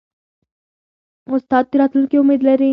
استاد د راتلونکي امید لري.